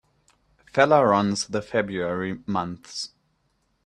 Feller runs the February months.